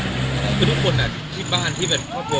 คือทุกคนที่บ้านพ่อแม่เรา